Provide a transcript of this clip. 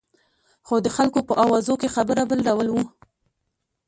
خو د خلکو په اوازو کې خبره بل ډول وه.